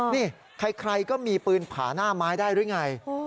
นี่ใครก็มีปืนผาน่าไม้ได้หรืออย่างไร